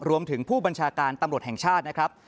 รวมถึงผู้บัญชาการตำรวจแห่งชาตินะครับ